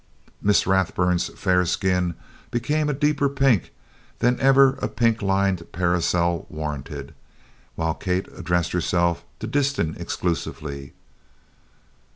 Miss Rathburn's fair skin became a deeper pink than even a pink lined parasol warranted, while Kate addressed herself to Disston exclusively.